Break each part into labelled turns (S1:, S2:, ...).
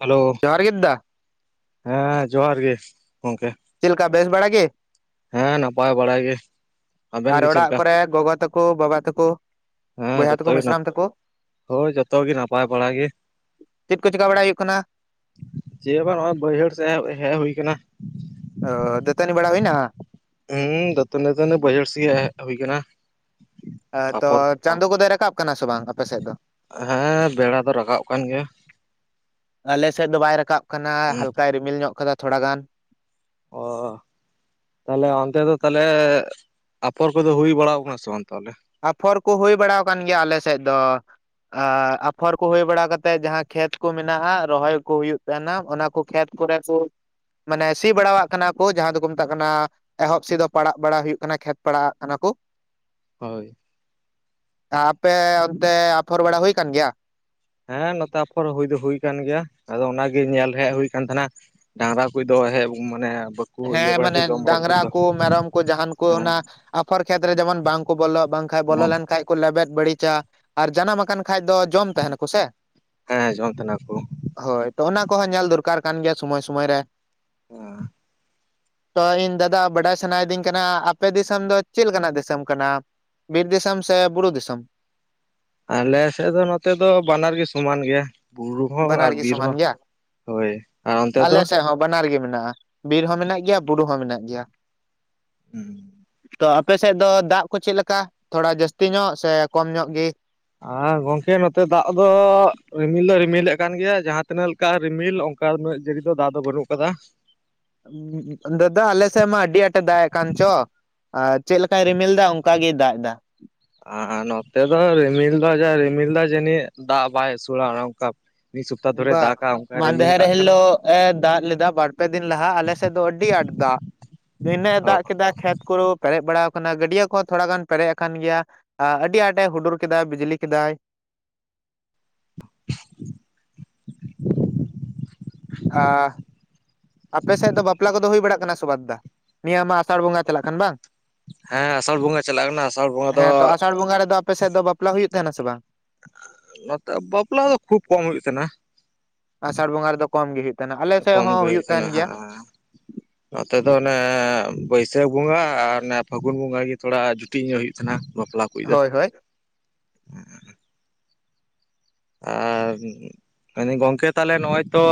S1: Hello
S2: ᱡᱚᱸᱦᱟᱨ ᱜᱮ ᱫᱟ
S1: ᱦᱮᱸ ᱡᱚᱸᱦᱟᱨ ᱜᱮ ᱜᱚᱝᱠᱮ
S2: ᱪᱮᱫ ᱞᱮᱠᱟ ᱵᱮᱥ ᱵᱟᱲᱟ ᱜᱮ
S1: ᱦᱮᱸ ᱱᱟᱯᱟᱭ ᱵᱟᱲᱟ ᱜᱮ ᱟᱵᱮᱱ
S2: ᱟᱨ
S1: ᱜᱮ ᱪᱮᱫ
S2: ᱚᱲᱟᱜ
S1: ᱞᱮᱠᱟ
S2: ᱠᱚᱨᱮ ᱜᱚᱜᱚ ᱛᱟᱠᱚ ᱵᱟᱵᱟ ᱛᱟᱠᱚ
S1: ᱦᱮᱸ
S2: ᱵᱚᱭᱦᱟ
S1: ᱡᱚᱛᱚ
S2: ᱛᱟᱠᱚ
S1: ᱜᱮ ᱱᱟᱯ,
S2: ᱢᱤᱥᱨᱟᱢ ᱛᱟᱠᱚ
S1: ᱦᱳᱭ ᱡᱚᱛᱚ ᱜᱮ ᱱᱟᱯᱟᱭ ᱵᱟᱲᱟ ᱜᱮ
S2: ᱪᱮᱫ ᱠᱚ ᱪᱮᱠᱟ ᱵᱟᱲᱟᱭ ᱦᱩᱭᱩᱜ ᱠᱟᱱᱟ
S1: ᱪᱮᱫ ᱵᱟᱝ ᱱᱚᱜᱼᱚᱭ ᱵᱟᱹᱭᱦᱟᱹᱲ ᱥᱮᱫ ᱦᱮ ᱦᱮᱡ ᱦᱩᱭ ᱠᱟᱱᱟ
S2: ᱚ ᱫᱟᱹᱛᱟᱹᱱᱤ ᱵᱟᱲᱟ ᱦᱩᱭᱱᱟ
S1: ᱦᱩᱸ ᱫᱟᱹᱛᱟᱹᱱᱤ ᱫᱚ ᱚᱱᱮ ᱵᱟ. ᱭᱦᱟᱹᱲ ᱥᱮᱜ ᱜᱮ ᱦᱮᱜ ᱦᱩᱭ ᱠᱟᱱᱟ
S2: ᱮ ᱛᱚ ᱪᱟᱸᱫᱚ ᱠᱚᱫᱚᱭ ᱨᱟᱠᱟᱵ ᱠᱟᱱᱟ ᱥᱮ ᱵᱟᱝ ᱟᱯᱮ ᱥᱮᱫ ᱫᱚ
S1: ᱦᱮᱸ ᱵᱮᱲᱟ ᱫᱚ ᱨᱟᱠᱟᱵ ᱠᱟᱱ ᱜᱮᱭᱟ
S2: ᱟᱞᱮ ᱥᱮᱫ ᱫᱚ ᱵᱟᱭ ᱨᱟᱠᱟᱵ ᱠᱟᱱᱟ
S1: ᱦᱩᱸ
S2: ᱦᱟᱞᱠᱟᱭ ᱨᱤᱢᱤᱞ ᱧᱚᱜ ᱠᱟᱫᱟ ᱛᱷᱚᱲᱟ ᱜᱟᱱ
S1: ᱚ ᱛᱟᱞᱦᱮ ᱚᱱᱛᱮ ᱫᱚ ᱛᱟᱞᱦᱮ ᱟᱯᱷᱚᱨ ᱠᱚᱫᱚ ᱦᱩᱭ ᱵᱟᱲᱟᱣ ᱠᱟᱱᱟ ᱥᱮ ᱵᱟᱝ ᱛᱟᱞᱦᱮ
S2: ᱟᱯᱷᱚᱨ ᱠᱚ ᱦᱩᱭ ᱵᱟᱲᱟᱣ ᱠᱟᱱ ᱜᱮᱭᱟ ᱟᱞᱮ ᱥᱮᱫ ᱫᱚ ᱟᱨ ᱟᱯᱷᱚᱨ ᱠᱚ ᱦᱩᱭ ᱵᱟᱲᱟ ᱠᱟᱛᱮ ᱡᱟᱦᱟᱸ ᱠᱷᱮᱛ ᱠᱚ ᱢᱮᱱᱟᱜᱼᱟ ᱨᱚᱦᱚᱭ ᱠᱚ ᱦᱩᱭᱩᱜ ᱛᱟᱦᱮᱱᱟ ᱚᱱᱟ ᱠᱚ ᱠᱷᱮᱛ ᱠᱚᱨᱮ ᱠᱚ ᱢᱟᱱᱮ ᱥᱤ ᱵᱟᱲᱟᱣᱟᱜ ᱠᱟᱱᱟ ᱠᱚ ᱡᱟᱦᱟᱸ ᱫᱚᱠᱚ ᱢᱮᱛᱟᱜ ᱠᱟᱱᱟ ᱮᱦᱚᱵ ᱥᱮᱫ ᱯᱟᱲᱟᱜ ᱵᱟᱲᱟ ᱦᱩᱭᱩᱜ ᱠᱟᱱᱟ ᱠᱷᱮᱛ ᱯᱟᱲᱟ-ᱟᱜ ᱠᱟᱱᱟ ᱠᱚ
S1: ᱦᱳᱭ
S2: ᱟᱯᱮ ᱚᱱᱛᱮ ᱟᱯᱷᱚᱨ ᱵᱟᱲᱟ ᱦᱩᱭ ᱠᱟᱱ ᱜᱮᱭᱟ
S1: ᱦᱮᱸ ᱱᱚᱛᱮ ᱟᱯᱷᱚᱨ ᱦᱩᱭ ᱫᱚ ᱦᱩᱭ ᱠᱟᱱ ᱜᱮᱭᱟ ᱟᱫᱚ ᱚᱱᱟᱜᱮ ᱧᱮᱞ ᱦᱮᱜ ᱦᱩᱭ ᱠᱟᱱ ᱛᱟᱦᱮᱸᱱᱟ ᱰᱟᱝᱨᱟ ᱠᱩᱡ ᱫᱚ ᱦᱮᱜ ᱢᱟᱱᱮ ᱤᱭᱟᱹ
S2: ᱦᱮᱸ
S1: ᱵᱟᱲᱟᱭ ᱛᱮ
S2: ᱢᱟᱱᱮ
S1: ᱡᱚᱢ ᱵᱟᱲᱟᱭ ᱫᱟᱠᱚ
S2: ᱰᱟᱝᱨᱟ
S1: ᱛᱚ
S2: ᱠᱩ ᱢᱮᱨᱚᱢ ᱠᱚ ᱡᱟᱦᱟᱱ ᱠᱚ
S1: ᱦᱮᱸ
S2: ᱚᱱᱟ ᱟᱯᱷᱚᱨ ᱠᱷᱮᱛᱨᱮ ᱡᱮᱢᱚᱱ ᱵᱟᱝᱠᱚ ᱵᱚᱞᱚ ᱵᱟᱝᱠᱷᱟᱡ
S1: ᱵᱚᱝ
S2: ᱵᱚᱞᱚ ᱞᱮᱱ ᱠᱷᱟᱡ ᱠᱚ ᱞᱮᱵᱮᱫ ᱵᱟᱹᱲᱤᱪᱟ ᱟᱨ ᱡᱟᱱᱟᱢ ᱟᱠᱟᱱ ᱠᱷᱟᱡ ᱫᱚ ᱡᱚᱢ ᱛᱟᱦᱮᱱᱟᱠᱚ ᱥᱮ?
S1: ᱦᱮᱸ ᱡᱚᱢ ᱛᱟᱦᱮᱱᱟ ᱠᱩ᱾
S2: ᱦᱳᱭ ᱛᱚ ᱚᱱᱟ ᱠᱚᱦᱚᱸ ᱧᱮᱞ ᱫᱚᱨᱠᱟᱨ ᱠᱟᱱ ᱜᱮᱭᱟ ᱥᱳᱚᱢᱚᱭ ᱥᱳᱢᱚᱭ ᱨᱮ᱾
S1: ᱟ
S2: ᱛᱚ ᱤᱧ ᱫᱟᱫᱟ ᱵᱟᱰᱟᱭ ᱥᱟᱱᱟᱭᱤᱫᱤᱧ ᱠᱟᱱᱟ ᱟᱯᱮ ᱫᱤᱥᱚᱢ ᱫᱚ ᱪᱮᱫ ᱞᱮᱠᱟᱱᱟᱜ ᱫᱤᱥᱚᱢ ᱠᱟᱱᱟ? ᱵᱤᱨ ᱫᱤᱥᱚᱢ ᱥᱮ ᱵᱩᱨᱩ ᱫᱤᱥᱚᱢ?
S1: ᱟᱞᱮ ᱥᱮᱜ ᱫᱚ ᱱᱚᱛᱮ ᱫᱚ ᱵᱟᱱᱟᱨ ᱜᱮ ᱥᱚᱢᱟᱱ ᱜᱮᱭᱟ᱾ ᱵᱩᱨᱩ ᱦᱚᱸ ᱟᱨ
S2: ᱵᱟᱱᱟᱨ ᱜᱮ
S1: ᱵᱤᱨ
S2: ᱥᱚᱢᱟᱱ
S1: ᱦᱚᱸ
S2: ᱜᱮᱭᱟ
S1: ᱦᱳᱭ, ᱟᱨ ᱚᱱᱛᱮ ᱫᱚ?
S2: ᱟᱞᱮ ᱥᱮᱫ ᱦᱚᱸ ᱵᱟᱱᱟᱨ ᱜᱮ ᱢᱮᱱᱟᱜ-ᱟ ᱵᱤᱨ ᱦᱚᱸ ᱢᱮᱱᱟᱜ ᱜᱮᱭᱟ ᱵᱩᱨᱩ ᱦᱚᱸ ᱢᱮᱱᱟᱜ ᱜᱮᱭᱟ᱾
S1: ᱦᱩᱸ
S2: ᱛᱚ ᱟᱯᱮ ᱥᱮᱫ ᱫᱚ ᱫᱟᱜ ᱠᱚ ᱪᱮᱫ ᱞᱮᱠᱟ ᱛᱷᱚᱲᱟ ᱡᱟᱹᱥᱛᱤ ᱧᱚᱜ ᱥᱮ ᱠᱚᱢ ᱧᱚᱜ ᱜᱮ?
S1: ᱟᱨ ᱜᱚᱝᱠᱮ ᱱᱚᱛᱮ ᱫᱟᱜ ᱫᱚ ᱨᱤᱢᱤᱞ ᱫᱚᱭ ᱨᱤᱢᱤᱞᱮᱫ ᱠᱟᱱ ᱜᱮᱭᱟ ᱡᱟᱦᱟ ᱛᱤᱱᱟᱹᱜ ᱚᱱᱠᱟ ᱨᱤᱢᱤᱞ ᱚᱝᱠᱟ ᱩᱱᱟᱹᱜ ᱡᱟᱹᱲᱤ ᱫᱚ ᱫᱟᱜ ᱫᱚ ᱵᱟᱹᱱᱩᱜ ᱠᱟᱫᱟ,
S2: ᱫᱟᱫᱟ ᱟᱞᱮ ᱥᱮᱜ ᱢᱟ ᱟᱹᱰᱤ ᱟᱸᱴᱮ ᱫᱟᱜ ᱮᱜ ᱠᱟᱱ ᱪᱚ᱾ ᱟᱨ ᱪᱮᱜ ᱞᱮᱠᱟᱭ ᱨᱤᱢᱤᱞ ᱫᱟ ᱚᱱᱠᱟ ᱜᱮᱭ ᱫᱟᱜ ᱮᱫᱟ᱾
S1: ᱟᱨ ᱱᱚᱛᱮ ᱫᱚ ᱨᱤᱢᱤᱞ ᱫᱚ ᱡᱟᱭ ᱨᱤᱢᱤᱞ ᱫᱟᱭ ᱡᱟᱹᱱᱤᱡ ᱫᱟᱜ ᱵᱟᱭ ᱟᱹᱥᱩᱲᱟ ᱚᱱᱮ ᱱᱚᱝᱠᱟ ᱛᱟ ᱯᱚᱨᱮ
S2: ᱵᱟ
S1: ᱫᱟᱜ ᱟ,
S2: ᱢᱟᱫᱷᱮᱨ ᱦᱤᱞᱳᱜ ᱮ ᱫᱟᱜ ᱞᱮᱫᱟ ᱵᱟᱨ ᱯᱮ ᱫᱤᱱ ᱞᱟᱦᱟ ᱟᱞᱮ ᱥᱮᱫ ᱫᱚ ᱟᱹᱰᱤ ᱟᱸᱴ ᱫᱟᱜ᱾ ᱫᱤᱱᱟᱹᱜ ᱮ
S1: ᱚ
S2: ᱫᱟᱜ ᱠᱮᱫᱟ ᱠᱷᱮᱛ ᱠᱩ ᱯᱮᱨᱮᱡ ᱵᱟᱲᱟᱣ ᱠᱟᱱᱟ ᱜᱟᱹᱰᱭᱟᱹ ᱠᱚᱦᱚᱸ ᱛᱷᱚᱲᱟ ᱜᱟᱱ ᱯᱮᱨᱮᱡ ᱟᱠᱟᱱ ᱜᱮᱭᱟ ᱟᱹᱰᱤ ᱟᱸᱴᱮ ᱦᱩᱰᱩᱨ ᱠᱮᱫᱟᱭ ᱵᱤᱡᱽᱞᱤ ᱠᱮᱫᱟᱭ᱾ ᱟ ᱟᱯᱮ ᱥᱮᱜ ᱫᱚ ᱵᱟᱯᱞᱟ ᱠᱚ ᱫᱚ ᱦᱩᱭ ᱵᱟᱲᱟᱜ ᱠᱟᱱᱟ ᱥᱮᱵᱟ ᱫᱟ? ᱱᱤᱭᱟᱹ ᱢᱟ ᱟᱸᱥᱟᱲ ᱵᱚᱸᱜᱟ ᱪᱟᱞᱟᱜ ᱠᱟᱱ ᱵᱟᱝ?
S1: ᱦᱮᱸ ᱟᱸᱥᱟᱲ ᱵᱚᱸᱜᱟ ᱪᱟᱞᱟᱜ ᱠᱟᱱᱟ ᱟᱸᱥᱟᱲ ᱵᱚᱸᱜᱟ ᱫᱚ
S2: ᱥᱟᱲ ᱵᱚᱸᱜᱟ ᱨᱮᱫᱚ ᱯᱮᱥᱮᱫ ᱫᱚ ᱵᱟᱯᱞᱟ ᱦᱩᱭᱩᱜ ᱛᱟᱦᱮᱱᱟ ᱥᱮ ᱵᱟᱝ?
S1: ᱚ ᱱᱚᱛᱮ ᱵᱟᱯᱞᱟ ᱫᱚ ᱠᱷᱩᱵ ᱠᱚᱢ ᱦᱩᱭᱩᱜ ᱠᱟᱱᱟ᱾
S2: ᱟᱥᱟᱲ ᱵᱚᱸᱜᱟ ᱨᱮᱫᱚ ᱠᱚᱢ ᱜᱮ ᱦᱩᱭᱩᱜ ᱛᱟᱦᱮᱱᱟ ᱟᱞᱮ ᱥᱮᱫ
S1: ᱠᱚᱢ
S2: ᱦᱚᱸ
S1: ᱜᱮ ᱦᱩᱭ
S2: ᱦᱩᱭᱩᱜ
S1: ᱠᱟᱱᱟ
S2: ᱛᱟᱦᱮᱱ
S1: ᱟ
S2: ᱜᱮᱭᱟ
S1: ᱱᱚᱛᱮ ᱫᱚ ᱚᱱᱮ ᱵᱟᱹᱭᱥᱟᱹᱠ ᱵᱚᱸᱜᱟ ᱟᱨ ᱚᱱᱮ ᱯᱷᱟᱹᱜᱩᱱ ᱵᱚᱸᱜᱟ ᱜᱮ ᱛᱷᱚᱲᱟ ᱡᱩᱴᱤᱡ ᱧᱚᱜ ᱦᱩᱭᱩᱜ ᱛᱟᱦᱮᱱᱟ ᱵᱟᱯᱞᱟ, ᱠᱚ ᱫᱚ
S2: ᱦᱳᱭ ᱦᱳᱭ
S1: ᱮ ᱢᱮᱱ ᱫᱟᱹᱧ ᱜᱚᱝᱠᱮ ᱛᱟᱦᱞᱮ ᱱᱚᱜ-ᱚᱭ ᱛᱚ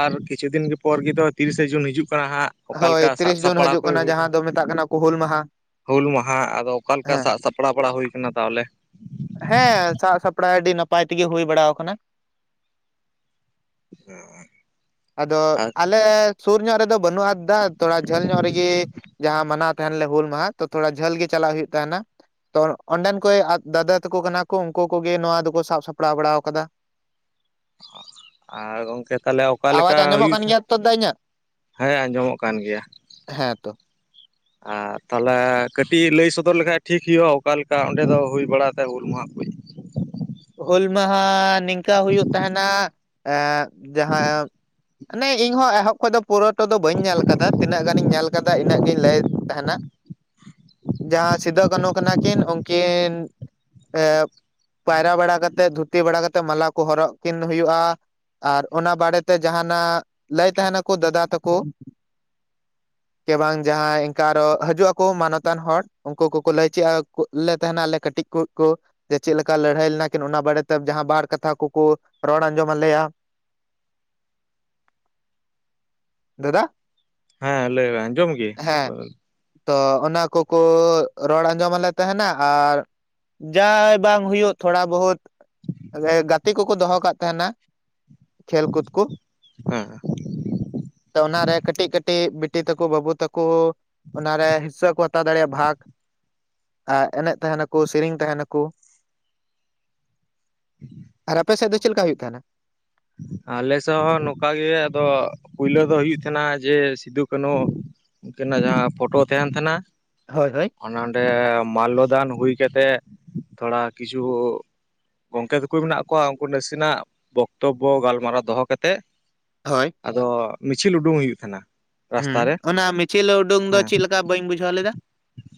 S1: ᱟᱨ ᱠᱤᱪᱷᱩ ᱫᱤᱱ ᱜᱮ ᱯᱚᱨ ᱜᱮ ᱛᱚ ᱛᱤᱨᱤ ᱥᱮ ᱡᱩᱱ ᱦᱤᱡᱩᱜ ᱠᱟᱱᱟ ᱦᱟᱸᱜ, ᱚᱠᱟ ᱞᱮᱠᱟ
S2: ᱦᱳᱭ
S1: ᱥᱟᱵ
S2: ᱛᱤᱨᱤᱥ ᱡᱩᱱ
S1: ᱥᱟᱯᱲᱟᱣ
S2: ᱦᱤᱡᱩᱜ
S1: ᱠᱚ
S2: ᱠᱟᱱᱟ
S1: ᱦᱩᱭ ᱱᱟ
S2: ᱡᱟᱦᱟᱸ ᱫᱚ ᱢᱮᱛᱟᱜ ᱠᱟᱱᱟ ᱠᱚ ᱦᱩᱞ ᱢᱟᱦᱟ
S1: ᱦᱩᱹᱞ ᱢᱟᱦᱟ ᱟᱫᱚ ᱚᱠᱟ ᱞᱮᱠᱟ
S2: ᱦᱮᱸ
S1: ᱥᱟᱜ ᱥᱟ ᱯᱟᱲᱟᱜ ᱵᱟᱲᱟ ᱦᱩᱭ ᱠᱟᱱᱟ ᱛᱟᱦᱞᱮ
S2: ᱦᱮᱸ ᱥᱟᱵ ᱥᱟᱯᱲᱟᱣ ᱟᱹᱰᱤ ᱱᱟᱯᱟᱭ ᱛᱮᱜᱮ ᱦᱩᱭ ᱵᱟᱲᱟᱣ ᱠᱟᱱᱟ᱾
S1: [unintelligible]
S2: ᱟᱫᱚ
S1: ᱟᱨ
S2: ᱟᱞᱮ ᱥᱩᱨ ᱧᱚᱜ ᱨᱮᱫᱚ ᱵᱟᱹᱱᱩ-ᱟ ᱫᱟ ᱛᱷᱚᱲᱟ ᱡᱷᱟᱹᱞ ᱧᱚᱜ ᱨᱮᱜᱮ ᱡᱟᱦᱟ ᱢᱟᱱᱟᱣ ᱛᱟᱦᱮᱞ ᱞᱮ ᱦᱩᱹᱞ ᱢᱟᱦᱟ ᱛᱚ ᱛᱷᱚᱲᱟ ᱡᱷᱟᱹᱞ ᱜᱮ ᱪᱟᱞᱟᱜ ᱦᱩᱭᱩᱜ ᱛᱟᱦᱮ ᱱᱟ᱾ ᱛᱚ ᱚᱸᱰᱮᱱ ᱠᱚ ᱫᱟᱫᱟ ᱛᱟᱠᱚ ᱠᱟᱱᱟ ᱠᱚ ᱩᱱᱠᱩ ᱠᱚᱜᱮ ᱱᱚᱶᱟ ᱫᱚᱠᱚ ᱥᱟᱵ ᱥᱟᱯᱲᱟᱣ ᱵᱟᱲᱟ ᱠᱟᱫᱟ᱾
S1: ᱟᱨ ᱜᱚᱝᱠᱮ ᱛᱟᱦᱞᱮ ᱚᱠᱟ ᱞᱮᱠᱟ
S2: ᱟᱣᱟᱡᱽ ᱟᱸᱡᱚᱢᱚᱜ
S1: ᱦᱩᱭᱩᱜ
S2: ᱠᱟᱱ ᱜᱮᱭᱟ ᱛᱚ ᱫᱟ ᱤᱧᱟᱹᱜ
S1: ᱦᱮᱸ ᱟᱸᱡᱚᱢᱚᱜ ᱠᱟᱱ ᱜᱮᱭᱟ᱾
S2: ᱦᱮᱸ ᱛᱚ
S1: ᱟᱨ ᱛᱟᱦᱞᱮ ᱠᱟᱹᱴᱤᱡ ᱞᱟᱹᱭ ᱥᱚᱫᱚᱨ ᱞᱮᱠᱷᱟᱡ ᱴᱷᱤᱠ ᱦᱩᱭᱩᱜ-ᱟ ᱚᱠᱟ ᱞᱮᱠᱟ ᱚᱸᱰᱮ ᱫᱚ ᱦᱩᱭ ᱵᱟᱲᱟ ᱛᱟᱦᱮᱫᱟ ᱦᱩᱹᱞ ᱢᱟᱦᱟ ᱠᱩᱸᱡ?
S2: ᱦᱩᱹᱞ ᱢᱟᱦᱟ ᱱᱤᱝᱠᱟᱹ ᱦᱩᱭᱩᱜ ᱛᱟᱦᱮᱱᱟ ᱮᱸ ᱡᱟᱦᱟ ᱢᱟᱱᱮ ᱤᱧ ᱦᱚᱸ ᱮᱦᱚᱵ ᱠᱷᱚᱡ ᱫᱚ ᱯᱩᱨᱟᱹᱴᱟ ᱫᱚ ᱵᱟᱹᱧ ᱧᱮᱞ ᱠᱟᱫᱟ ᱛᱤᱱᱟᱹᱜ ᱜᱟᱱᱤᱧ ᱧᱮᱞ ᱠᱟᱫᱟ ᱤᱱᱟᱹᱜ ᱜᱤᱧ ᱞᱟᱹᱭ ᱮᱫ ᱛᱟᱦᱮᱱᱟ᱾ ᱡᱟᱦᱟᱭ ᱥᱤᱫᱟᱹ ᱠᱟᱹᱱᱩ ᱠᱟᱱᱟ ᱠᱤᱱ ᱩᱱᱠᱤᱱ ᱮᱸ ᱯᱟᱭᱨᱟ ᱵᱟᱲᱟ ᱠᱟᱛᱮᱫ ᱫᱷᱩᱛᱤ ᱵᱟᱲᱟ ᱠᱟᱛᱮᱫ ᱢᱟᱞᱟ ᱠᱚ ᱦᱚᱨᱚᱜ ᱟᱠᱤᱱ ᱦᱩᱭᱩᱜ-ᱟ᱾ ᱟᱨ ᱚᱱᱟ ᱵᱟᱲᱮ ᱛᱮ ᱡᱟᱦᱟᱱᱟᱜ ᱞᱟᱹᱭ ᱛᱟᱦᱮᱱᱟᱠᱚ ᱫᱟᱫᱟ ᱛᱟᱠᱚ᱾
S1: [inaudible]
S2: ᱠᱮ ᱵᱟᱝ ᱡᱟᱸᱦᱟᱭ ᱤᱝᱠᱟᱹ ᱟᱨᱚ ᱦᱟᱡᱩᱜ ᱟᱠᱚ ᱢᱟᱱᱚᱛᱟᱱ ᱦᱚᱲ ᱩᱝᱠᱩ ᱠᱚᱠᱚ ᱞᱟᱹᱭ ᱪᱮᱫ ᱟᱠᱚ ᱞᱮ ᱛᱟᱦᱮᱱᱟ ᱟᱞᱮ ᱠᱟᱹᱴᱤᱡ᱾ [unintelligible] ᱡᱮ ᱪᱮᱫ ᱞᱮᱠ ᱠᱟ ᱞᱟᱹᱲᱦᱟᱹᱭ ᱞᱮᱱᱟ ᱠᱤᱱ ᱚᱱᱟ ᱵᱟᱨᱮ ᱛᱮ ᱡᱟᱦᱟ ᱵᱟᱨ ᱠᱟᱛᱷᱟ ᱠᱚᱠᱚ ᱨᱚᱲ ᱟᱸᱡᱚᱢ ᱟᱞᱮᱭᱟ᱾
S1: [inaudible]
S2: ᱫᱟᱫᱟ
S1: ᱦᱮᱸ ᱞᱟᱹᱭ ᱢᱮ ᱟᱸᱡᱚᱢ ᱜᱮ᱾
S2: ᱦᱮᱸ ᱛᱚ ᱚᱱᱟ ᱠᱚᱠᱚ ᱨᱚᱲ ᱟᱸᱡᱚᱢ ᱟᱞᱮ ᱛᱟᱦᱮᱱᱟ ᱟᱨ ᱡᱟ ᱵᱟᱝ ᱦᱩᱭᱩᱜ ᱛᱷᱚᱲᱟ ᱵᱚᱦᱩᱛ ᱜᱟᱛᱮ ᱠᱚᱠᱚ ᱫᱚᱦᱚ ᱠᱟᱜ ᱛᱟᱦᱮᱱᱟ᱾ ᱠᱷᱮᱞ ᱠᱩᱫ ᱠᱚ᱾
S1: ᱦᱮᱸ
S2: ᱛᱚ ᱚᱱᱟ ᱨᱮ ᱠᱟᱹᱴᱤᱡ ᱠᱟᱹᱴᱤᱡ ᱵᱤᱴᱤ ᱛᱟᱠᱚ ᱵᱟᱹᱵᱩ ᱛᱟᱠᱚ ᱚᱱᱟ ᱨᱮ ᱦᱤᱸᱥᱟᱹ ᱠᱚ ᱦᱟᱛᱟᱣ ᱫᱟᱲᱮᱜ-ᱟ ᱵᱷᱟᱹᱠ ᱟᱨ ᱮᱱᱮᱡ ᱛᱟᱦᱮᱱᱟᱠᱚ ᱥᱤᱨᱤᱧ ᱛᱟᱦᱮᱱᱟᱠᱚ᱾
S1: [inaudible]
S2: ᱟᱨ ᱟᱯᱮ ᱥᱮᱫ ᱫᱚ ᱪᱮᱫ ᱞᱮᱠᱟ ᱦᱩᱭᱩᱜ ᱛᱟᱦᱮᱱᱟ?
S1: ᱟᱞᱮ ᱥᱮᱫ ᱦᱚᱸ ᱱᱚᱝᱠᱟ ᱜᱮ ᱟᱫᱚ ᱯᱳᱭᱞᱳ ᱫᱚ ᱦᱩᱭᱩᱜ ᱛᱟᱦᱮᱱᱟ ᱡᱮ ᱥᱤᱫᱩ ᱠᱟᱱᱩ ᱩᱝᱠᱤᱱᱟᱜ ᱡᱟᱦᱟᱸ ᱯᱷᱳᱴᱳ ᱛᱟᱦᱮᱱ ᱛᱟᱦᱮᱱᱟ
S2: ᱦᱳᱭ ᱦᱳᱭ
S1: ᱚᱱᱮ ᱚᱸᱰᱮ ᱢᱟᱞᱞᱚᱫᱟᱱ ᱦᱩᱭ ᱠᱟᱛᱮᱜ ᱛᱷᱚᱲᱟ ᱠᱤᱪᱷᱩ ᱜᱚᱝᱠᱮ ᱛᱟᱠᱩᱭ ᱢᱮᱱᱟᱜ ᱠᱚᱣᱟ ᱩᱝᱠᱩ ᱱᱟᱥᱮᱱᱟᱜ ᱛᱚᱵᱚ ᱜᱟᱞᱢᱟᱨᱟᱣ ᱫᱚᱦᱚ ᱠᱟᱛᱮᱜ
S2: ᱦᱳᱭ
S1: ᱟᱫᱚ ᱢᱤᱪᱷᱤᱞ ᱩᱰᱩᱝᱚᱜ ᱦᱩᱭᱩᱜ ᱛᱟᱦᱮᱱ-ᱟ᱾
S2: ᱦᱩᱸ
S1: ᱨᱟᱥᱛᱟ ᱨᱮ
S2: ᱚᱱᱟ ᱢᱤᱪᱷᱤᱞ ᱩᱰᱩᱝ ᱫᱚ
S1: ᱦᱮᱸ
S2: ᱪᱮᱫ ᱞᱮᱠᱟ ᱵᱟᱹᱧ ᱵᱩᱡᱷᱟᱹᱣ ᱞᱮᱫᱟ?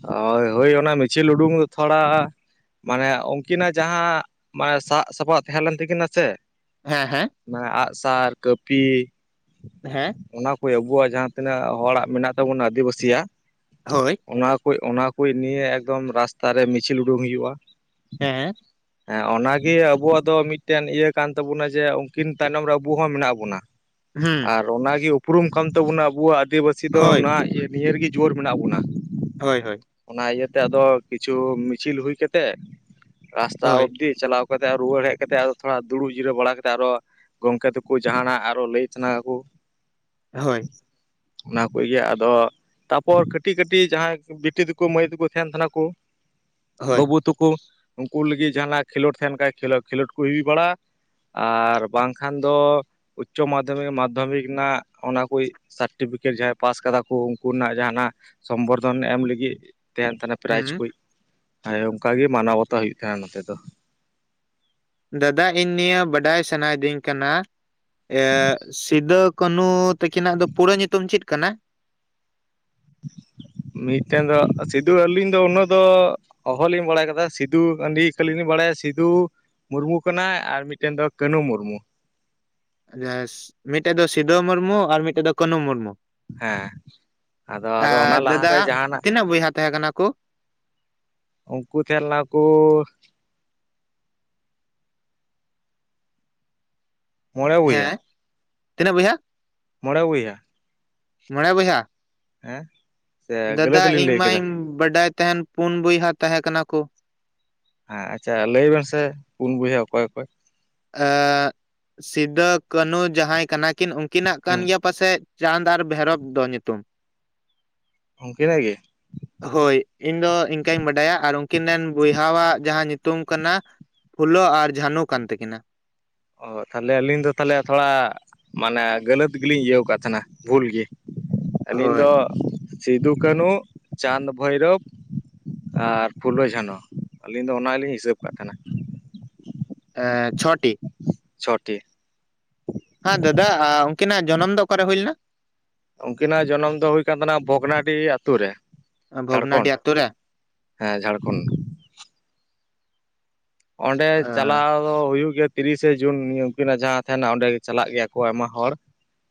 S1: ᱦᱳᱭ ᱦᱳᱭ ᱚᱱᱟ ᱢᱤᱪᱷᱤᱞ ᱩᱰᱩᱝ ᱫᱚ ᱛᱷᱚᱲᱟ ᱢᱟᱱᱮ ᱩᱝᱠᱤᱱᱟᱜ ᱡᱟᱦᱟᱸ ᱢᱟᱱᱮ ᱥᱟᱵ ᱥᱟᱯᱟᱵ ᱛᱟᱦᱮᱸ ᱞᱮᱱ ᱛᱟᱹᱠᱤᱱᱟ ᱥᱮ
S2: ᱦᱮᱸ ᱦᱮᱸ
S1: ᱢᱟᱱᱮ ᱟᱸᱜ ᱥᱟᱨ ᱠᱟᱹᱯᱤ
S2: ᱦᱮᱸ
S1: ᱚᱱᱟ ᱠᱚ ᱟᱵᱚᱣᱟᱜ ᱡᱟᱦᱟᱸ ᱛᱤᱱᱟᱹᱜ ᱦᱚᱲᱟᱜ ᱢᱮᱱᱟᱜ ᱛᱟᱵᱚᱱᱟ ᱟᱹᱫᱤᱵᱟᱹᱥᱤᱭᱟᱜ
S2: ᱦᱳᱭ
S1: ᱚᱱᱟ ᱠᱩᱡ ᱚᱱᱟ ᱠᱩᱭ ᱱᱤᱭᱟᱹ ᱮᱠᱫᱚᱢ ᱨᱟᱥᱛᱟ ᱨᱮ ᱢᱤᱪᱷᱤᱞ ᱩᱰᱩᱝ ᱦᱩᱭᱩᱜ-ᱟ᱾
S2: ᱦᱮᱸ
S1: ᱮᱸ ᱚᱱᱟᱜᱮ ᱟᱵᱩᱣᱟᱜ ᱫᱚ ᱢᱤᱫᱴᱮᱱ ᱤᱭᱟᱹ ᱠᱟᱱ ᱛᱟᱵᱚᱱᱟ ᱡᱮ ᱩᱝᱠᱤᱱ ᱛᱟᱭᱱᱚᱢ ᱨᱮ ᱟᱵᱚ ᱦᱚᱸ ᱢᱮᱱᱟᱜ ᱵᱚᱱᱟ᱾
S2: ᱦᱩᱸ
S1: ᱟᱨ ᱚᱱᱟᱜᱮ ᱩᱯᱨᱩᱢ ᱠᱟᱱ ᱛᱟᱵᱚᱱᱟ ᱟᱵᱚᱣᱟᱜ ᱟᱹᱫᱤᱵᱟᱹᱥᱤ ᱫᱚ
S2: ᱦᱳᱭ
S1: ᱚᱱᱟ ᱤᱭᱟᱹ ᱱᱤᱭᱟᱹ ᱨᱮᱜᱮ ᱡᱩᱣᱟᱹᱨ ᱢᱮᱱᱟᱜ ᱵᱚᱱᱟ᱾
S2: ᱦᱳᱭ ᱦᱳᱭ
S1: ᱚᱱᱟ ᱤᱭᱟᱹ ᱛᱮ ᱟᱫᱚ ᱠᱤᱪᱷᱩ ᱢᱤᱪᱷᱤᱞ ᱦᱩᱭ ᱠᱟᱛᱮᱜ ᱨᱟᱥᱛᱟ
S2: ᱦᱳᱭ
S1: ᱚᱵᱫᱤ ᱪᱟᱞᱟᱣ ᱠᱟᱛᱮ ᱨᱩᱣᱟᱹᱲ ᱦᱮᱡ ᱠᱟᱛᱮ ᱟᱫᱚ ᱛᱷᱚᱲᱟ ᱫᱩᱲᱩᱵ ᱡᱤᱨᱟᱹᱣ ᱵᱟᱲᱟ ᱠᱟᱛᱮᱜ ᱟᱨᱚ ᱜᱚᱝᱠᱮ ᱛᱟᱠᱚ ᱡᱟᱦᱟᱱᱟᱜ ᱟᱨᱚ ᱞᱟᱹᱭ ᱛᱮᱱᱟᱠᱟᱠᱚ᱾
S2: ᱦᱳᱭ
S1: ᱚᱱᱟ ᱠᱚᱜᱮ ᱟᱫᱚ ᱛᱟᱯᱚᱨ ᱠᱟᱹᱴᱤᱡ ᱠᱟᱹᱴᱤᱡ ᱡᱟᱦᱟᱸᱭ, ᱵᱤᱴᱤ ᱛᱟᱠᱚ ᱢᱟᱹᱭ ᱛᱟᱠᱚ ᱛᱟᱦᱮᱱ ᱠᱟᱱᱟ ᱠᱩ
S2: ᱦᱳᱭ
S1: ᱵᱟᱹᱵᱩ ᱛᱟᱠᱚ ᱩᱱᱠᱩ ᱞᱟᱹᱜᱤᱫ ᱡᱟᱦᱟᱸᱱᱟᱜ ᱠᱷᱮᱞᱳᱰ ᱛᱟᱦᱮᱱ ᱠᱷᱟᱱ, ᱠᱷᱮᱞᱳᱰ ᱠᱚ ᱦᱩᱭ ᱵᱟᱲᱟᱜᱼᱟ᱾ ᱟᱨ ᱵᱟᱝᱠᱷᱟᱱ ᱫᱚ ᱩᱪᱪᱚ ᱢᱟᱫᱽᱫᱷᱚᱢᱤᱠ ᱢᱟᱫᱽᱫᱷᱚᱢᱤᱠ ᱨᱮᱱᱟᱜ ᱚᱱᱟ ᱠᱚ ᱥᱟᱨᱴᱤᱯᱷᱤᱠᱮᱴ ᱡᱟᱦᱟᱸᱭ ᱯᱟᱥ ᱠᱟᱫᱟ ᱠᱩ, ᱩᱱᱠᱩ ᱨᱮᱱᱟᱜ ᱡᱟᱦᱟᱱᱟᱜ ᱥᱚᱢᱵᱚᱨᱫᱷᱚᱱ ᱮᱢ ᱞᱟᱹᱜᱤᱫ ᱛᱟᱦᱮᱱ ᱛᱟᱦᱮᱱᱟ ᱯᱨᱟᱭᱤᱡᱽ
S2: ᱦᱩᱸ
S1: ᱠᱩᱡ ᱚᱱᱠᱟ ᱜᱮ ᱢᱟᱱᱟᱣ ᱵᱟᱛᱟᱣ ᱦᱩᱭᱩᱜ ᱛᱟᱦᱮᱱᱟ ᱱᱚᱛᱮ ᱫᱚ᱾
S2: ᱫᱟᱫᱟ ᱤᱧ ᱱᱤᱭᱟᱹ ᱵᱟᱰᱟᱭ ᱥᱟᱱᱟᱭᱤᱫᱤᱧ ᱠᱟᱱᱟ, ᱥᱤᱫᱩ ᱠᱟᱹᱱᱩ ᱛᱟᱹᱠᱤᱱᱟᱜ ᱫᱚ ᱯᱩᱨᱟᱹ ᱧᱩᱛᱩᱢ ᱪᱮᱫ ᱠᱟᱱᱟ?
S1: ᱢᱤᱫᱴᱮᱱ ᱫᱚ ᱥᱤᱫᱩ ᱟᱹᱞᱤᱧ ᱫᱚ ᱩᱱᱟᱹᱜ ᱫᱚ ᱚᱦᱚᱞᱤᱧ ᱵᱟᱲᱟᱭ ᱠᱟᱫᱟ ᱥᱤᱫᱩ [unintelligible] ᱠᱷᱟᱞᱤ ᱞᱤᱧ ᱵᱟᱲᱟᱭᱟ ᱥᱤᱫᱩ ᱢᱩᱨᱢᱩ ᱠᱟᱱᱟᱭ, ᱟᱨ ᱢᱤᱫᱴᱮᱱ ᱫᱚ ᱠᱟᱹᱱᱩ ᱢᱩᱨᱢᱩ᱾
S2: ᱡᱟᱦᱟᱭ ᱢᱤᱫᱴᱮᱡ ᱫᱚ ᱥᱤᱫᱟᱹ ᱢᱩᱨᱢᱩ ᱟᱨ ᱢᱤᱫᱴᱮᱡ ᱫᱚ ᱠᱟᱹᱱᱩ ᱢᱩᱨᱢᱩ᱾
S1: ᱦᱮᱸ ᱟᱫᱚ ᱟᱫᱚ
S2: ᱟᱨ
S1: ᱚᱱᱟ
S2: ᱫᱟᱫᱟ
S1: ᱞᱟᱦᱟᱨᱮ ᱡᱟᱦᱟᱱᱟᱜ
S2: ᱛᱤᱱᱟᱹᱜ ᱵᱚᱭᱦᱟ ᱛᱟᱦᱮᱸ ᱠᱟᱱᱟ ᱠᱩ?
S1: ᱩᱱᱠᱩ ᱛᱟᱦᱮ ᱞᱮᱱᱟ ᱠᱩ ᱢᱚᱬᱮ
S2: ᱦᱮᱸ ᱛᱤᱱᱟᱹᱜ ᱵᱚᱭᱦᱟ?
S1: ᱢᱚᱸᱬᱮ ᱵᱚᱭᱦᱟ᱾
S2: ᱢᱚᱬᱮ ᱵᱚᱭᱦᱟ
S1: ᱦᱮᱸ ᱥᱮ
S2: ᱫᱟᱫᱟ
S1: ᱜᱟᱹᱞᱟᱹᱛ ᱞᱤᱧ
S2: ᱤᱧ
S1: ᱞᱟᱹᱭ ᱠᱮᱫᱟ
S2: ᱢᱟᱧ ᱵᱟᱰᱟᱭ ᱛᱟᱦᱮᱱ ᱯᱩᱱ ᱵᱚᱭᱦᱟ ᱛᱟᱦᱮ ᱠᱟᱱᱟ ᱠᱚ᱾
S1: ᱦᱮᱸ ᱟᱪᱪᱷᱟ ᱞᱟᱹᱭ ᱵᱮᱱ ᱥᱮ ᱯᱩᱱ ᱵᱚᱭᱦᱟ ᱚᱠᱚᱭ ᱚᱠᱚᱭ?
S2: ᱥᱤᱫᱟᱹ ᱠᱟᱹᱱᱦᱩ ᱡᱟᱦᱟᱸᱭ ᱠᱟᱱᱟ ᱠᱤᱱ ᱩᱱ ᱩᱱᱠᱤᱱᱟᱜ ᱠᱟᱱ
S1: ᱦᱩᱸ
S2: ᱜᱮᱭᱟ ᱯᱟᱥᱮᱫ ᱪᱟᱸᱫᱽ ᱟᱨ ᱵᱷᱮᱨᱚᱵᱷ ᱫᱚ ᱧᱩᱛᱩᱢ᱾
S1: ᱩᱱᱠᱤᱱᱟᱜ ᱜᱮ?
S2: ᱦᱳᱭ, ᱤᱧ ᱫᱚ ᱤᱱᱠᱟᱹᱧ ᱵᱟᱰᱟᱭᱟ, ᱟᱨ ᱩᱱᱠᱤᱱ ᱨᱮᱱ ᱵᱚᱭᱦᱟᱣᱟᱜ ᱡᱟᱦᱟᱸ ᱧᱩ ᱛᱩᱝ ᱠᱟᱱᱟ ᱯᱷᱩᱞᱳ ᱟᱨ ᱡᱷᱟᱱᱩ ᱠᱟᱱ ᱛᱟᱹᱠᱤᱱᱟ᱾
S1: ᱚ ᱛᱟᱦᱚᱞᱮ ᱟᱹᱞᱤᱧ ᱫᱚ ᱛᱟᱦᱚᱞᱮ ᱛᱷᱚᱲᱟ ᱢᱟᱱᱮ ᱜᱟᱹᱞᱟᱹᱛ ᱜᱮᱞᱤᱧ ᱤᱭᱟᱹᱣ ᱟᱠᱟᱫ ᱛᱟᱦᱮᱱᱟ, ᱵᱷᱩᱞ ᱜᱤ ᱟᱹᱞᱤᱧ
S2: ᱦᱳᱭ
S1: ᱫᱚ ᱥᱤᱫᱩ, ᱠᱟᱹᱱᱦᱩ, ᱪᱟᱸᱫᱽ, ᱵᱷᱳᱨᱚᱵᱽ ᱟᱨ ᱯᱷᱩᱞᱳ, ᱡᱷᱟᱱᱚ ᱟᱹᱞᱤᱧ ᱫᱚ ᱚᱱᱟ ᱞᱤᱧ ᱦᱤᱥᱟᱹᱵ ᱠᱟᱜ ᱛᱟᱦᱮᱱᱟ᱾
S2: ᱮ ᱪᱷᱚᱴᱤ᱾
S1: ᱪᱷᱚᱴᱤ
S2: ᱦᱮᱸ ᱫᱟᱫᱟ ᱩᱱᱠᱤᱱᱟᱜ ᱡᱚᱱᱚᱢ ᱫᱚ ᱚᱠᱟᱨᱮ ᱦᱩᱭ ᱞᱮᱱᱟ?
S1: ᱩᱱᱠᱤᱱᱟᱜ ᱡᱚᱱᱚᱢ ᱫᱚ ᱦᱩᱭ ᱠᱟᱱ ᱛᱟᱦᱮᱱᱟ ᱵᱷᱚᱜᱽᱱᱟᱰᱤᱦᱤ ᱟᱹᱛᱩ ᱨᱮ ᱡᱷᱟᱲᱠᱷᱚᱱᱰ᱾
S2: ᱵᱷᱚᱜᱽᱱᱟᱰᱤ ᱟᱛᱳ ᱨᱮ
S1: ᱦᱮᱸ ᱡᱷᱟᱲᱠᱷᱚᱸᱰ ᱚᱸᱰᱮ
S2: ᱟ
S1: ᱪᱟᱞᱟᱣ ᱫᱚ ᱦᱩᱭᱩᱜ ᱜᱮ ᱛᱤᱨᱤᱥᱮ ᱡᱩᱱ, ᱩᱱᱠᱤᱱᱟᱜ ᱡᱟᱦᱟᱸ ᱛᱟᱦᱮᱱᱟ ᱚᱸᱰᱮ ᱪᱟᱞᱟᱜ ᱜᱮᱭᱟ ᱠᱚ ᱟᱭᱢᱟ ᱦᱚᱲ,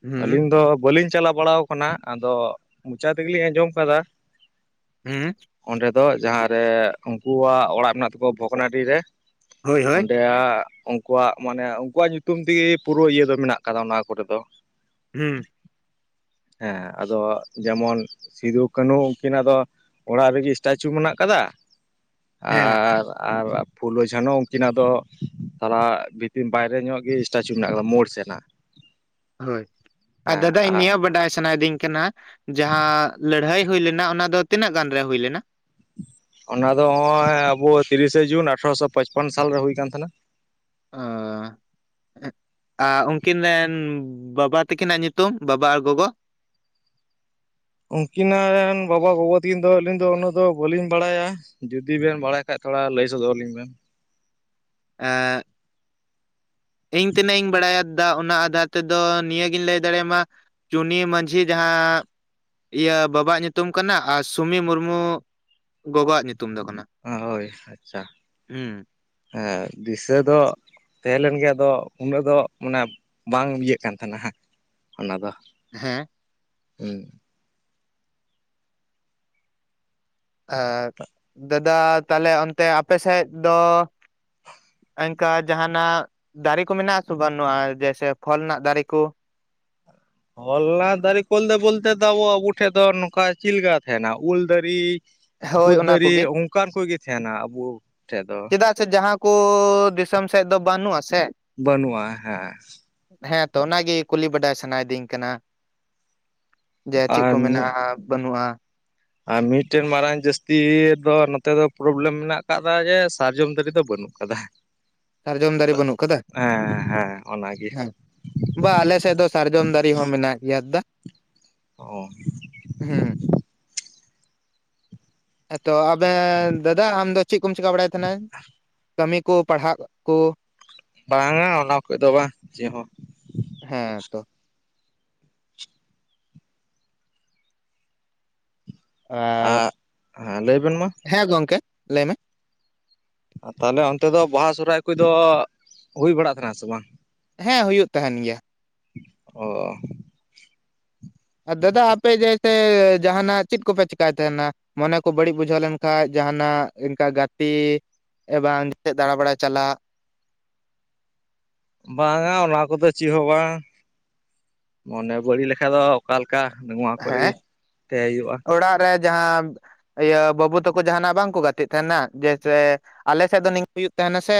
S2: ᱦᱩᱸ
S1: ᱟᱹᱞᱤᱧ ᱫᱚ ᱵᱟᱹᱞᱤᱧ ᱪᱟᱞᱟᱣ ᱵᱟᱲᱟ ᱟᱠᱟᱱᱟ, ᱟᱫᱚ ᱢᱚᱪᱟ ᱛᱮᱜᱮᱞᱤᱧ ᱟᱸᱡᱚᱢ ᱟᱠᱟᱫᱟ᱾
S2: ᱦᱮᱸ
S1: ᱚᱸᱰᱮ ᱫᱚ ᱡᱟᱦᱟᱸᱨᱮ ᱩᱱᱠᱩᱣᱟᱜ ᱚᱲᱟᱜ ᱢᱮᱱᱟᱜ ᱛᱟᱠᱩᱣᱟ, ᱵᱷᱚᱜᱽᱱᱟᱰᱤ ᱨᱮ
S2: ᱦᱳᱭ ᱦᱳᱭ
S1: ᱚᱸᱰᱮ ᱟᱠ ᱩᱱᱠᱩᱣᱟᱜ ᱢᱟᱱᱮ, ᱩᱱᱠᱩᱣᱟᱜ ᱧᱩᱛᱩᱢ ᱛᱮᱜᱮ ᱯᱩᱨᱟᱹ ᱤᱭᱟᱹ ᱫᱚ ᱢᱮᱱᱟᱜ ᱟᱠᱟᱫᱟ ᱚᱱᱟ ᱠᱚᱨᱮ ᱫᱚ᱾
S2: ᱦᱩᱸ
S1: ᱦᱮᱸ ᱟᱫᱚ ᱡᱮᱢᱚᱱ, ᱥᱤᱫᱩ ᱠᱟᱹᱱᱦᱩ ᱩᱱᱠᱤᱱᱟᱜ ᱫᱚ ᱚᱲᱟᱜ ᱨᱮᱜᱮ ᱥᱴᱟᱪᱩ ᱢᱮᱱᱟᱜ ᱟᱠᱟᱫᱟ,
S2: ᱦᱮᱸ
S1: ᱟᱨ ᱟᱨ ᱯᱷᱩᱞᱳ, ᱡᱷᱟᱱᱳ ᱩᱱᱠᱤᱱᱟᱜ ᱫᱚ ᱛᱟᱞᱟ ᱵᱷᱤᱛᱤᱨ ᱵᱟᱭᱨᱮ ᱧᱚᱜ ᱜᱮ ᱥᱴᱟᱪᱩ ᱢᱮᱱᱟᱜ ᱟᱠᱟᱫᱟ, ᱢᱳᱲ ᱥᱮᱱᱟᱜ [inaudible]
S2: ᱦᱳᱭ ᱟᱨ ᱫᱟᱫᱟ ᱤᱧ ᱱᱤᱭᱟᱹ ᱵᱟᱰᱟᱭ ᱥᱟᱱᱟᱭᱤᱫᱤᱧ ᱠᱟᱱᱟ᱾ ᱡᱟᱦᱟᱸ ᱞᱟᱹᱲᱦᱟᱹᱭ ᱦᱩᱭ ᱞᱮᱱᱟ ᱚᱱᱟ ᱫᱚ ᱛᱤᱱᱟᱹᱜ ᱜᱟᱱ ᱨᱮ ᱦ ᱞᱮᱱᱟ?
S1: ᱚᱱᱟ ᱫᱚ ᱱᱚᱜᱼᱚᱭ ᱟᱵᱚ ᱛᱤᱨᱤᱥᱮ ᱡᱩᱱ ᱟᱴᱷᱨᱚᱥᱚ ᱯᱚᱪᱯᱚᱱ ᱥᱟᱞᱨᱮ ᱦᱩᱭ ᱠᱟᱱᱟᱱ ᱛᱟᱦᱮᱱᱟ᱾
S2: ᱟᱸᱻ ᱟᱨ ᱩᱱᱠᱤᱱ ᱨᱮᱱ ᱵᱟᱵᱟ ᱛᱟᱹᱠᱤᱱᱟᱜ ᱧᱩᱛᱩᱢ ᱵᱟᱵᱟ ᱟᱨ ᱜᱚᱜᱚ
S1: ᱩᱱᱠᱤᱱᱟ ᱨᱮᱱ ᱵᱟᱵᱟ ᱜᱚᱜᱚ ᱛᱟᱹᱠᱤᱱ ᱫᱚ ᱟᱹᱞᱤᱧ ᱫᱚ ᱩᱱᱟᱹᱜ ᱫᱚ ᱵᱟᱟᱹᱞᱤᱧ ᱵᱟᱲᱟᱭᱟ᱾ ᱡᱩᱫᱤ ᱵᱮᱱ ᱵᱟᱲᱟᱭ ᱠᱷᱟᱡ ᱛᱷᱚᱲᱟ ᱞᱟᱹᱭ ᱥᱚᱫᱚᱨ ᱟᱹᱞᱤᱧ ᱵᱮᱱ?
S2: ᱦᱮᱻ ᱤᱧ ᱛᱤᱱᱟᱹᱜ ᱤᱧ ᱵᱟᱲᱟᱭᱟ᱾ ᱚᱱᱟ ᱟᱫᱷᱟᱨ ᱛᱮᱫᱚ ᱱᱤᱭᱟᱹᱜᱤᱧ ᱞᱟᱹᱭ ᱫᱟᱲᱮᱭᱟᱢᱟ ᱪᱩᱱᱤ ᱢᱟᱹᱡᱷᱤ ᱡᱟᱦᱟᱸ ᱤᱭᱟᱹ ᱵᱟᱵᱟᱣᱟᱜ ᱧᱩᱛᱩᱢ ᱠᱟᱱᱟ ᱟᱨ ᱥᱩᱢᱤ ᱢᱩᱨᱢᱩ ᱜᱚᱜᱚᱣᱟᱜ ᱧᱩᱛᱩᱢ ᱫᱚ ᱠᱟᱱᱟ᱾
S1: ᱦᱳᱭ ᱟᱪᱪᱷᱟ
S2: ᱦᱩᱸ
S1: ᱦᱮᱸ ᱫᱤᱥᱟᱹ ᱫᱚᱼᱼ ᱛᱟᱦᱮᱸ ᱞᱮᱱ ᱜᱮ ᱟᱫᱚ ᱩᱱᱟᱹᱜ ᱫᱚ ᱢᱟᱱᱮ ᱵᱟᱝ ᱤᱭᱟᱹᱜ ᱠᱟᱱ ᱛᱟᱦᱮᱱᱟᱜ ᱚᱱᱟ ᱫᱚ,
S2: ᱦᱮᱸᱼᱼ
S1: ᱦᱚᱢ
S2: ᱮ ᱫᱟᱫᱟ ᱛᱟᱦᱞᱮ ᱚᱱᱛᱮ ᱟᱯᱮ ᱥᱮᱫ ᱫᱚᱼᱼ ᱚᱱᱠᱟ ᱡᱟᱦᱟᱱᱟᱜ ᱫᱟᱨᱮ ᱠᱚ ᱢᱮᱱᱟᱜ ᱟᱥ ᱵᱟᱹᱱᱩᱜᱼᱟ ᱡᱮᱭᱮᱥᱮ ᱯᱷᱚᱞ ᱨᱮᱱᱟᱜ ᱫᱟᱨᱮ ᱠᱚᱼᱼ
S1: ᱦᱚᱞᱞᱟ ᱫᱟᱨᱮ ᱠᱚᱞᱛᱮ ᱵᱚᱞᱛᱮ ᱫᱚᱚ ᱟᱵᱚ ᱟᱵᱚ ᱴᱷᱮᱡ ᱫᱚ ᱱᱚᱝ ᱠᱟ ᱪᱮᱫ ᱞᱮᱠᱟ ᱛᱟᱦᱮᱱᱟ ᱩᱞ ᱫᱟᱨᱮ,
S2: ᱦᱳᱭ
S1: ᱠᱩᱫ
S2: ᱚᱱᱟ
S1: ᱫᱟᱨᱮ
S2: ᱠᱚᱜᱮ
S1: ᱚᱱᱠᱟᱱ ᱠᱚᱜᱮ ᱛᱟᱦᱮᱱᱟ ᱟᱵᱚ ᱴᱷᱮᱡ ᱫᱚ᱾
S2: ᱪᱮᱫᱟᱜ ᱥᱮ ᱡᱟᱦᱟᱸ ᱠᱚ ᱫᱤᱥᱚᱢ ᱥᱮᱫ ᱫᱚ ᱵᱟᱹᱱᱩᱜᱼᱟ ᱥᱮ
S1: ᱵᱟᱹᱱᱩᱜᱼᱟ ᱦᱮᱸ
S2: ᱦᱮᱸ ᱛᱚ ᱚᱱᱟᱜᱮ ᱠᱩᱞᱤ ᱵᱟᱰᱟᱭ ᱥᱟᱱᱟᱭᱤᱫᱤᱧ ᱠᱟᱱᱟ᱾ ᱡᱮ ᱪᱮᱫ
S1: ᱟᱨ
S2: ᱠᱚ
S1: ᱢᱤᱫ
S2: ᱢᱮᱱᱟᱜᱼᱟ ᱵᱟᱹᱱᱩᱜᱼᱟ᱾
S1: ᱟᱨ ᱢᱤᱫᱴᱮᱱ ᱢᱟᱨᱟᱝ ᱡᱟᱹᱥᱛᱤ ᱫᱚ ᱱᱚᱛᱮ ᱫᱚ ᱯᱨᱚᱵᱞᱮᱢ ᱢᱮᱱᱟᱜ ᱟᱠᱟᱫᱟ ᱡᱮ ᱥᱟᱨᱡᱚᱢ ᱫᱟᱨᱮ ᱫᱚ ᱵᱟᱹᱱᱩᱜ ᱠᱟᱫᱟ᱾
S2: ᱥᱟᱨᱡᱚᱢ ᱫᱟᱨᱮ ᱵᱟᱹᱱᱩᱜ ᱠᱟᱫᱟ
S1: ᱦᱮᱸ ᱦᱮᱸ ᱚᱱᱟᱜᱮᱼᱼ
S2: ᱦᱮᱸ ᱵᱟ ᱟᱞᱮᱥᱮᱫ ᱫᱚ ᱥᱟᱨᱡᱚᱢ ᱫᱟᱨᱮ ᱦᱚᱸ ᱢᱮᱱᱟᱜ ᱜᱮᱭᱟ ᱫᱟ
S1: ᱚ
S2: ᱦᱩᱸ ᱛᱚ ᱟᱵᱮᱱ ᱫᱟᱫᱟ ᱟᱢᱫᱚ ᱪᱮᱫ ᱠᱚᱢ ᱪᱤᱠᱟᱹ ᱵᱟᱲᱟᱭ ᱛᱟᱦᱮᱱᱟ ᱠᱟᱹᱢᱤ ᱠᱚ ᱯᱟᱲᱦᱟᱜ ᱠᱚᱼᱼ
S1: ᱵᱟᱝᱼᱟ ᱚᱱᱟ ᱠᱚ ᱫᱚ ᱵᱟᱝ ᱪᱮᱫ ᱦᱚᱸ
S2: ᱦᱮᱸ ᱛᱚᱼᱼ ᱟᱻ
S1: ᱟᱨ ᱦᱮᱸ ᱞᱟᱹᱭ ᱵᱮᱱ ᱢᱟ
S2: ᱦᱮᱸ ᱜᱚᱝᱠᱮ ᱞᱟᱹᱭ ᱢᱮ?
S1: ᱛᱟᱦᱚᱞᱮ ᱚᱱᱛᱮ ᱫᱚ ᱵᱟᱦᱟ ᱥᱚᱦᱚᱨᱟᱭ ᱠᱚᱫᱚ ᱦᱩᱭ ᱵᱟᱲᱟᱜ ᱠᱟᱱᱟ ᱥᱮ ᱵᱟᱝ?
S2: ᱦᱮᱸ ᱦᱩᱭᱩᱜ ᱛᱟᱦᱮᱱ ᱜᱮᱭᱟ᱾
S1: ᱚᱻ
S2: ᱟᱨ ᱫᱟᱫᱟ ᱟᱯᱮ ᱡᱮᱼᱼ ᱥᱮ ᱡᱟᱦᱟᱱᱟᱜ ᱪᱮᱫ ᱠᱚᱯᱮ ᱪᱮᱠᱟᱭ ᱛᱟᱦᱮᱱᱟ᱾ ᱢᱚᱱᱮ ᱠᱚ ᱵᱟᱹᱲᱤᱡ ᱵᱩᱡᱷᱟᱹᱣ ᱞᱮᱱᱠᱷᱟᱡ ᱡᱟᱦᱟᱱᱟᱜ ᱤᱱᱠᱟ ᱜᱟᱛᱮᱼᱼ ᱮᱵᱟᱝ ᱫᱟᱬᱟ ᱵᱟᱲᱟᱭ ᱪᱟᱞᱟᱜ,
S1: ᱵᱟᱝᱼᱟ ᱚᱱᱟ ᱠᱚᱫᱚ ᱪᱮᱫ ᱦᱚᱸ ᱵᱟᱝ ᱢᱟᱱᱮ ᱵᱟᱹᱲᱤᱡ ᱞᱮᱠᱟᱱ ᱫᱚᱼᱼ ᱚᱠᱟᱞᱮᱠᱟ ᱱᱚᱣᱟ ᱠᱚᱨᱮᱜᱮ
S2: ᱦᱮᱸ
S1: ᱛᱟᱦᱮᱸ ᱦᱩᱭᱩᱜᱼᱟ᱾
S2: ᱚᱲᱟᱜ ᱨᱮ ᱡᱟᱦᱟᱸ ᱤᱭᱟᱹ ᱵᱟᱹᱵᱩ ᱛᱟᱠᱚ ᱡᱟᱦᱟᱱᱟᱜ ᱵᱟᱝ ᱠᱚ ᱜᱟᱛᱮᱜ ᱛᱟᱦᱮᱱᱟ ᱡᱮᱭᱥᱮᱼᱼ ᱟᱞᱮ ᱥᱮᱫ ᱫᱚ ᱱᱤᱝᱠᱟᱹ ᱦᱩᱭᱩᱜ ᱛᱟᱦᱮᱱᱟ ᱥᱮ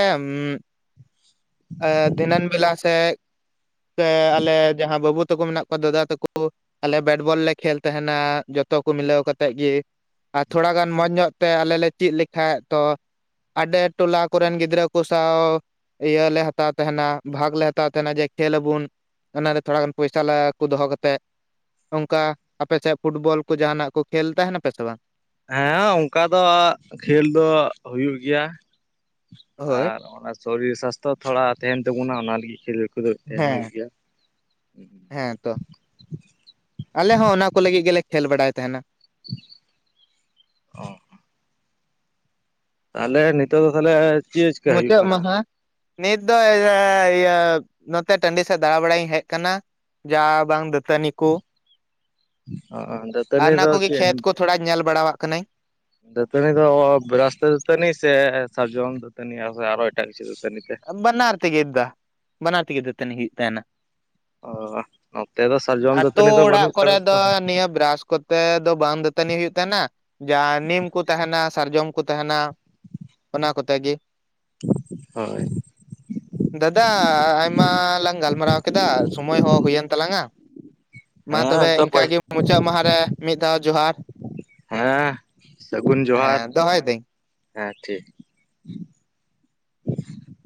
S2: ᱫᱷᱤᱱᱟᱹᱱ ᱵᱮᱞᱟ ᱥᱮᱼᱼ ᱥᱮ ᱟᱞᱮ ᱡᱟᱦᱟᱸ ᱵᱟᱹᱵᱩ ᱛᱟᱠᱚ ᱢᱮᱱᱟᱜ ᱠᱚᱣᱟ ᱫᱟᱫᱟ ᱛᱟᱠᱚ ᱟᱞᱮ ᱵᱮᱴᱵᱚᱞ ᱞᱮ ᱠᱷᱮᱞ ᱛᱟᱦᱮᱱᱟ ᱡᱚᱛᱚ ᱠᱚ ᱢᱤᱞᱟᱹᱣ ᱠᱟᱛᱮᱫ ᱜᱮᱼᱼ ᱟᱨ ᱛᱷᱚᱲᱟ ᱜᱟᱱ ᱢᱚᱸᱡᱽ ᱧᱚᱜ ᱛᱮ ᱟᱞᱮ ᱞᱮ ᱪᱮᱫ ᱞᱮᱠᱷᱟᱡ ᱛᱚ ᱟᱰᱮ ᱴᱚᱞᱟ ᱠᱚᱨᱮᱱ ᱜᱤᱫᱽᱨᱟᱹ ᱠᱚ ᱥᱟᱶ ᱤᱭᱟᱹᱞᱮ ᱦᱟᱛᱟᱣ ᱛᱟᱦᱮᱱᱟ ᱵᱷᱟᱜᱽ ᱞᱮ ᱦᱟᱛᱟᱣ ᱛᱟᱦᱮᱱᱟ ᱡᱮ ᱠᱷᱮᱞ ᱟᱵᱩᱱ ᱾ ᱚᱱᱟᱨᱮ ᱛᱷᱚᱲᱟ ᱜᱟᱱ ᱯᱚᱭᱥᱟ ᱞᱮᱠᱩ ᱫᱚᱦᱚ ᱠᱟᱛᱮᱫ ᱾ ᱩᱝᱠᱟ ᱟᱯᱮ ᱥᱮᱫ ᱯᱷᱩᱴᱵᱚᱞ ᱠᱚ ᱡᱟᱦᱟᱱᱟᱜ ᱠᱚ ᱠᱷᱮᱞ ᱛᱟᱦᱮᱱᱟᱯᱮ ᱥᱮ ᱵᱟᱝ?
S1: ᱦᱮᱸ ᱚᱝᱠᱟ ᱫᱚ ᱠᱷᱮᱞ ᱫᱚ ᱦᱩᱭᱩᱜ ᱜᱮᱭᱟ
S2: ᱦᱳᱭ
S1: ᱟᱨ ᱚᱱᱟ ᱥᱚᱨᱤᱨ ᱥᱟᱥᱛᱷᱚ ᱛᱷᱚᱲᱟ ᱛᱟᱦᱮᱱ ᱛᱟᱵᱩᱱᱟ ᱚᱱᱟ ᱞᱟᱹᱜᱤᱫ ᱠᱷᱮᱞᱳ ᱠᱚᱫᱚ ᱛᱟᱦᱮᱱ ᱦᱩᱭᱩᱜ
S2: ᱦᱮᱸ
S1: ᱜᱮᱭᱟ ᱾
S2: ᱦᱮᱸ ᱛᱚ ᱟᱞᱮ ᱦᱚᱸ ᱚᱱᱟ ᱠᱚ ᱞᱟᱹᱜᱤᱫ ᱜᱮᱞᱮ ᱠᱷᱮᱞ ᱵᱟᱲᱟᱭ ᱛᱟᱦᱮᱱᱟ ᱾
S1: [inaudible] ᱚ, ᱛᱟᱦᱞᱮ ᱱᱤᱛᱚᱜ ᱫᱚ ᱛᱟᱦᱞᱮ
S2: ᱢᱩᱪᱟᱹᱫ ᱢᱟᱦᱟᱸ ᱱᱤᱛ ᱫᱚ [inaudible] ᱤᱭᱟᱹ ᱱᱚᱛᱮ ᱴᱟᱺᱰᱤ ᱥᱮᱫ ᱫᱟᱬᱟ ᱵᱟᱲᱟᱧ ᱦᱮᱡ ᱠᱟᱱᱟ ᱾ ᱡᱟ ᱵᱟᱝ ᱫᱟᱹᱛᱟᱹᱱᱤ ᱠᱚ ᱟᱨ
S1: ᱫᱟᱹᱛᱟᱹᱱᱤ
S2: ᱚᱱᱟ
S1: ᱫᱚ
S2: ᱠᱚᱜᱮ
S1: ᱪᱮᱫ
S2: ᱠᱷᱮᱛ ᱠᱚ ᱾ ᱛᱷᱚᱲᱟ ᱧᱮᱞ ᱵᱟᱲᱟᱣᱟᱜ ᱠᱟᱱᱟᱹᱧ ᱾
S1: ᱫᱟᱹᱛᱟᱹᱱᱤ ᱫᱚ ᱵᱨᱟᱥ ᱛᱮ ᱫᱟᱹᱛᱟᱹᱱᱤ ᱥᱮ ᱥᱟᱨᱡᱚᱢ ᱫᱟᱹᱛᱟᱹᱱᱤ ᱥᱮ ᱟᱨᱦᱚ ᱮᱴᱟᱜ ᱠᱤᱪᱷᱩ ᱫᱟᱹᱛᱟᱹᱱᱤ ᱛᱮ ᱾
S2: ᱵᱟᱱᱟᱨ ᱛᱮᱜᱮᱫ ᱫᱟ ᱵᱟᱱᱟᱨ ᱛᱮᱜᱮ ᱫᱟᱹᱛᱟᱹᱱᱤ ᱦᱩᱭᱩᱜ ᱛᱟᱦᱮᱱᱟ ᱾
S1: ᱚ ᱱᱚᱛᱮ ᱫᱚ ᱥᱟᱨᱡᱚᱢ
S2: ᱟᱛᱳ
S1: ᱫᱟᱹᱛᱟᱹᱱᱤ ᱫᱚ
S2: ᱚᱲᱟᱜ
S1: ᱵᱟᱹᱱᱩᱜ
S2: ᱠᱚᱨᱮ
S1: ᱟᱠᱟᱫᱟ
S2: ᱫᱚ
S1: ᱛᱚ
S2: ᱱᱤᱭᱟᱹ ᱵᱨᱟᱥ ᱠᱚᱛᱮ ᱫᱚ ᱵᱟᱝ ᱫᱟᱹᱛᱟᱹᱱᱤ ᱦᱩᱭᱩᱜ ᱛᱟᱦᱮᱱᱟ ᱡᱟ ᱱᱤᱢ ᱠᱩ ᱛᱟᱦᱮᱱᱟ ᱥᱟᱨᱡᱚᱢ ᱠᱚ ᱛᱟᱦᱮᱱᱟ ᱾ ᱚᱱᱟ ᱠᱚᱛᱮ ᱜᱮ ᱾
S1: [inaudible] ᱦᱳᱭ,
S2: ᱫᱟᱫᱟ ᱟᱭᱢᱟ ᱞᱟᱝ ᱜᱟᱞᱢᱟᱨᱟᱣ ᱠᱮᱫᱟ ᱥᱚᱢᱚᱭ ᱦᱚᱸ ᱦᱩᱭᱮᱱ ᱛᱟᱞᱟᱝᱼᱟ ᱾ ᱢᱟ
S1: ᱦᱮᱸ
S2: ᱛᱚᱵᱮ
S1: ᱛᱚ
S2: ᱤᱱᱠᱟ ᱜᱤ ᱢᱩᱪᱟᱹᱫ ᱢᱟᱦᱟᱸ ᱨᱮ ᱢᱤᱫ ᱫᱷᱟᱣ ᱡᱚᱦᱟᱨ ᱾
S1: ᱦᱮᱸ ᱥᱟᱹᱜᱩᱱ ᱡᱚᱦᱟᱨ
S2: ᱦᱮᱸ ᱫᱚᱦᱚᱭ ᱫᱟᱹᱧ
S1: ᱦᱮᱸ ᱴᱷᱤᱠ ᱾